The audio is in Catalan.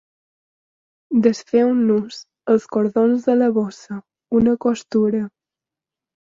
Desfer un nus, els cordons de la bossa, una costura.